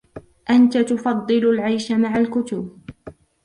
أنتَ تفضِّل العيش مع الكتب.